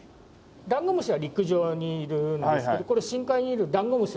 ダンゴムシは陸上にいるんですけどこれ深海にいるダンゴムシの仲間ですね。